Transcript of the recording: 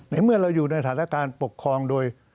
เมื่อเราอยู่ในสถานการณ์ปกครองโดย